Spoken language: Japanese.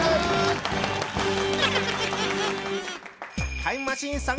タイムマシーン３号。